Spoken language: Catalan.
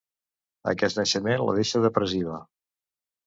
Aquest naixement la deixa depressiva.